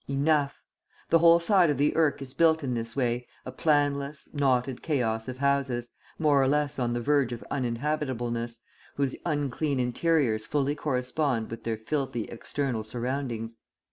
Enough! The whole side of the Irk is built in this way, a planless, knotted chaos of houses, more or less on the verge of uninhabitableness, whose unclean interiors fully correspond with their filthy external surroundings.